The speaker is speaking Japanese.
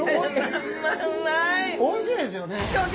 おいしいですよね。